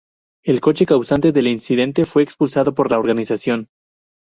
El coche causante del incidente fue expulsado por la organización.